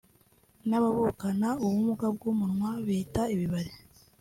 n’abavukana ubumuga bw’umunwa bita ibibari